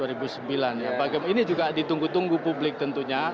ini juga ditunggu tunggu publik tentunya